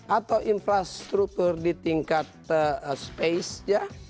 atau infrastruktur di tingkat space ya